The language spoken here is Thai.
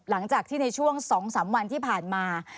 หลังจากที่ในช่วง๒๓วันที่ผ่านมา